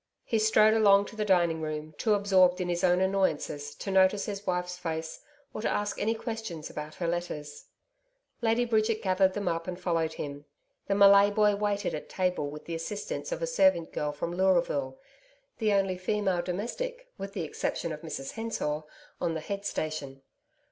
He strode along to the dining room, too absorbed in his own annoyances to notice his wife's face or to ask any questions about her letters. [*cleanskin unbranded calf] Lady Bridget gathered them up and followed him. The Malay boy waited at table with the assistance of a servant girl from Leuraville, the only female domestic with the exception of Mrs Hensor on the head station.